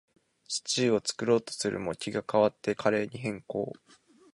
シチューを作ろうとするも、気が変わってカレーに変更